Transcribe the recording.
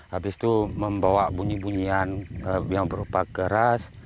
habis itu membawa bunyi bunyian yang berupa keras